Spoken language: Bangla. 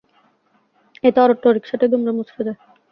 এতে অটোরিকশাটি দুমড়ে মুচড়ে যায়।